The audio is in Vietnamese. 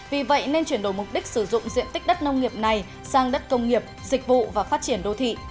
vì vậy nên chuyển đổi mục đích sử dụng diện tích đất nông nghiệp này sang đất công nghiệp dịch vụ và phát triển đô thị